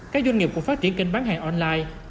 các doanh nghiệp cũng phát triển kênh bán hàng online